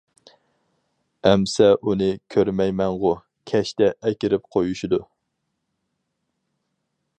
-ئەمسە ئۇنى كۆرمەيمەنغۇ؟ -كەچتە ئەكىرىپ قويۇشىدۇ.